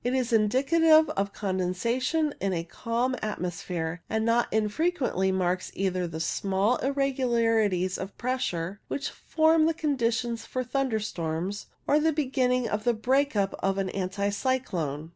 It is indicative of condensation in a calm atmo sphere, and not unfrequently marks either the small H so CIRRO STRATUS AND CIRRO CUMULUS irregularities of pressure which form the conditions for thunderstorms, or the beginning of the break up of an anticyclone.